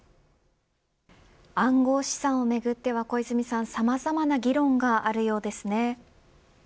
暗号資産をめぐってはさまざまな議論があるようですね。